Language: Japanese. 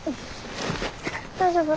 大丈夫？